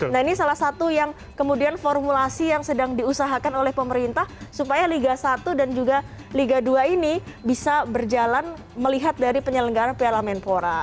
nah ini salah satu yang kemudian formulasi yang sedang diusahakan oleh pemerintah supaya liga satu dan juga liga dua ini bisa berjalan melihat dari penyelenggaran piala menpora